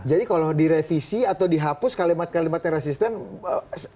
jadi kalau direvisi atau dihapus kalimat kalimatnya resistensi